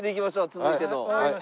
続いての。